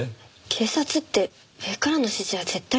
警察って上からの指示は絶対でしょ。